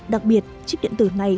đặc biệt chip điện tử này